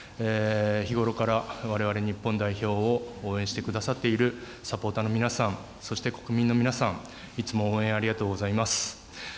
日ごろからわれわれ日本代表を応援してくださっているサポーターの皆さん、そして国民の皆さん、いつも応援ありがとうございます。